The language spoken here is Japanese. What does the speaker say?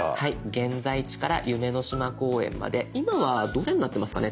「現在地」から「夢の島公園」まで今はどれになってますかね？